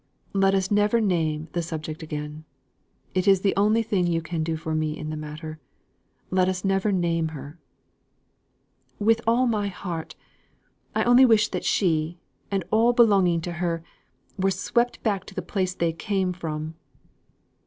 Let us never name the subject again. It is the only thing you can do for me in the matter. Let us never name her." "With all my heart. I only wish that she, and all belonging to her, were swept back to the place they came from."